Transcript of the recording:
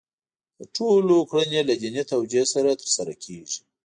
د ټولو کړنې له دیني توجیه سره ترسره کېږي.